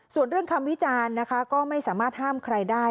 ส่วนเรื่องคำวิจารณ์นะคะก็ไม่สามารถห้ามใครได้